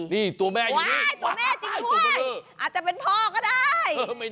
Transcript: นี่ตัวแม่อย่างนี้ว้าวตัวแม่จริงด้วยอาจจะเป็นพอก็ได้